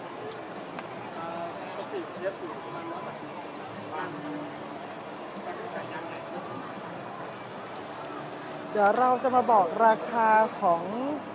เดี๋ยวเราจะมาบอกราคาของ